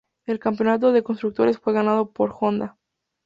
El campeonato de constructores fue ganado por Honda.